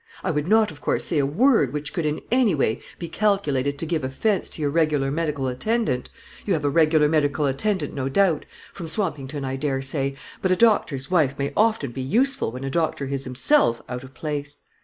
I would not, of course, say a word which could in any way be calculated to give offence to your regular medical attendant, you have a regular medical attendant, no doubt; from Swampington, I dare say, but a doctor's wife may often be useful when a doctor is himself out of place.